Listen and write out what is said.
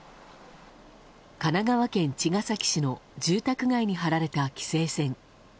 神奈川県茅ヶ崎市の住宅街に張られた規制線。